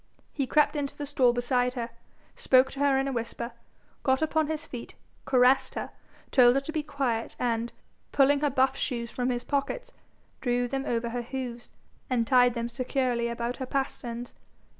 He crept into the stall beside her, spoke to her in a whisper, got upon his feet, caressed her, told her to be quiet, and, pulling her buff shoes from his pockets, drew them over her hoofs, and tied them securely about her pasterns.